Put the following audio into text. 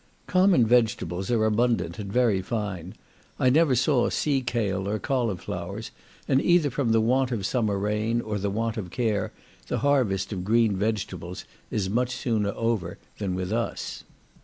Common vegetables are abundant and very fine. I never saw sea cale or cauliflowers, and either from the want of summer rain, or the want of care, the harvest of green vegetables is much sooner over than with us.